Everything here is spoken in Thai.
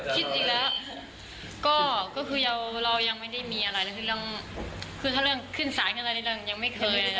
อ๋อคิดอีกแล้วก็คือเรายังไม่ได้มีอะไรถ้าเรื่องขึ้นศาสตร์ขึ้นอะไรเรายังไม่เคย